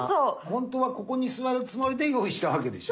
ほんとはここに座るつもりで用意したわけでしょ？